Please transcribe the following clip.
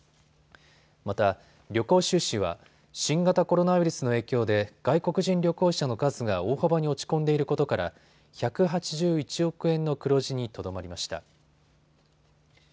また、旅行収支は新型コロナウイルスの影響で外国人旅行者の数が大幅に落ち込んでいることから１８１億円の黒字にとどまりました。